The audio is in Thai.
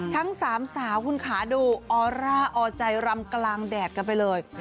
ทั้งสามสาวคุณขาดูออร่าออใจรำกลางแดดกันไปเลย